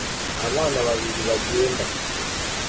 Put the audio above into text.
Abana babiri bagenda